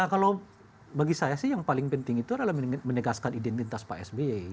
ya kalau bagi saya sih yang paling penting itu adalah menegaskan identitas pak sby